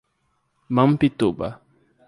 Mampituba